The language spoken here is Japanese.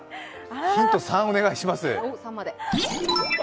ヒント３お願いします。